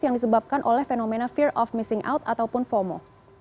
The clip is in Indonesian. yang disebabkan oleh fenomena fear of missing out ataupun fomo